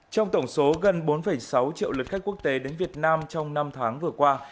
trong tổng số gần bốn sáu triệu lượt khách quốc tế đến việt nam trong năm tháng vừa qua